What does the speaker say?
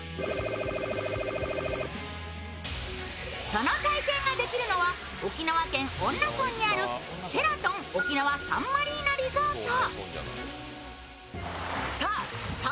その体験ができるのは、沖縄県恩納村にあるシェラトン沖縄サンマリーナリゾート。